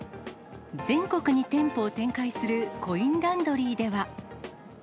全国に店舗を展開するコインランドリーでは。